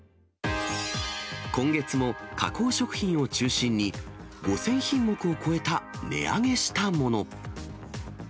今月も加工食品を中心に、５０００品目を超えた値上げしたもの。